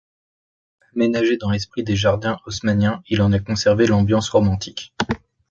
Aménagé dans l'esprit des jardins haussmanniens, il en a conservé l'ambiance romantique.